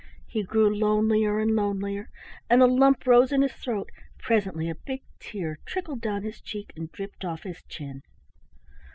He grew lonelier and lonelier and a lump rose in his throat; presently a big tear trickled down his cheek and dripped off his chin.